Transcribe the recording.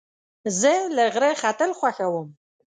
زه له غره ختل خوښوم.